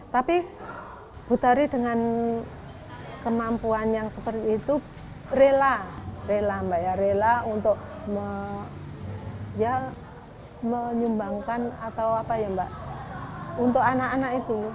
tapi bu tari dengan kemampuan yang seperti itu rela untuk menyumbangkan untuk anak anak itu